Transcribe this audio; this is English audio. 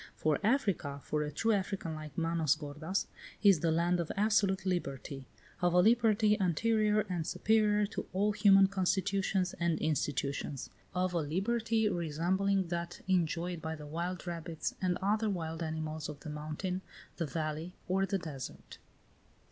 For Africa, for a true African like Manos gordas, is the land of absolute liberty; of a liberty anterior and superior to all human constitutions and institutions; of a liberty resembling that enjoyed by the wild rabbits and other wild animals of the mountain, the valley, or the desert.